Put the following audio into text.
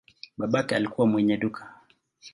Babake alikuwa mwenye duka.